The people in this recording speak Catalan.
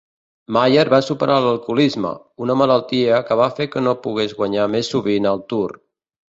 Mayer va superar l'alcoholisme, una malaltia que va fer que no pogués guanyar més sovint al Tour.